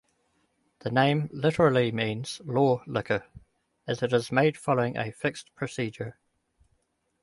The name literally means "law liquor", as it is made following a fixed procedure.